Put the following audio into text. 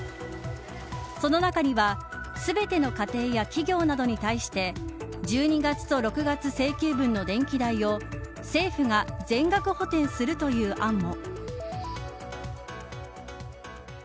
その中には全ての家庭や企業などに対して１２月と６月請求分の電気代を政府が全額補填するという案も。